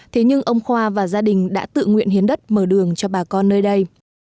thế nhưng ông khoa và gia đình đã tự nguyện hiến đất mở đường cho bà con nơi đây